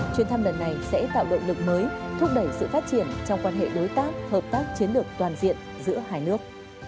chuyến thăm lần này sẽ tạo động lực mới thúc đẩy sự phát triển trong quan hệ đối tác hợp tác chiến lược toàn diện giữa hai nước